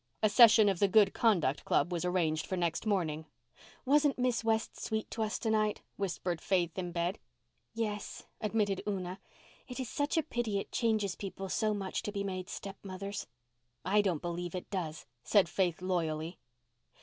A session of the Good Conduct Club was arranged for next morning. "Wasn't Miss West sweet to us to night?" whispered Faith in bed. "Yes," admitted Una. "It is such a pity it changes people so much to be made stepmothers." "I don't believe it does," said Faith loyally.